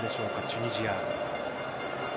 チュニジア。